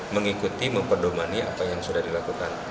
mengikuti memperdomani apa yang sudah dilakukan